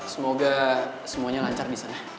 semoga semuanya lancar disana